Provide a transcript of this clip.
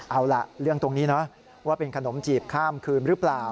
เอาล่ะเรื่องตรงนี้นะว่าเป็นขนมจีบข้ามคืนหรือเปล่า